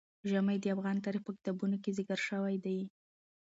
ژمی د افغان تاریخ په کتابونو کې ذکر شوی دي.